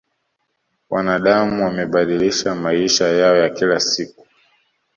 wanadam wamebadilisha maisha yao ya kila siku